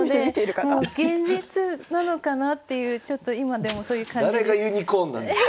現実なのかなっていうちょっと今でもそういう感じです。